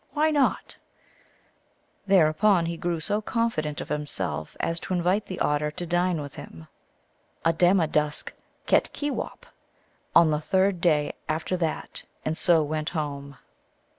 Why not ?" Thereupon he grew so confident of himself as to invite the Otter to dine with him adamadusk ketkewop on the third day after that, and so went home.